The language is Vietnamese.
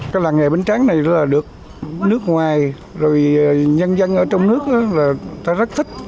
cái làng nghề bánh tráng này là được nước ngoài rồi nhân dân ở trong nước là ta rất thích